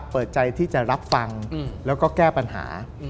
เปิดใจที่จะรับฟังแล้วก็แก้ปัญหา